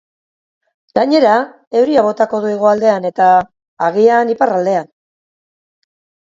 Gainera, euria botako du hegoaldean eta, agian, iparraldean.